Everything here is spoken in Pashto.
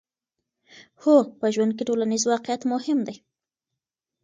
هو، په ژوند کې ټولنیز واقعیت مهم دی.